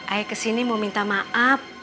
ayah kesini mau minta maaf